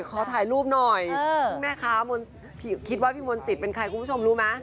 ขอถ่ายรูปหน่อยซึ่งแม่ค้าคิดว่าพี่มนต์สิทธิ์เป็นใครคุณผู้ชมรู้ไหม